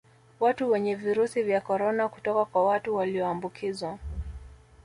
Watu wenye Virusi vya Corona kutoka kwa watu walioambukizwa